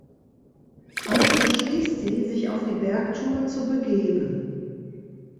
Also beschließt sie, sich auf die Bergtour zu begeben.